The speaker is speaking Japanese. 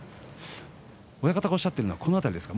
親方がおっしゃっているのはこの辺りですか？